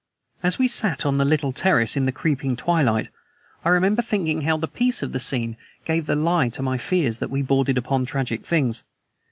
As we sat on the little terrace in the creeping twilight, I remember thinking how the peace of the scene gave the lie to my fears that we bordered upon tragic things.